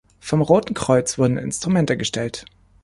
Vom Roten Kreuz wurden Instrumente gestellt.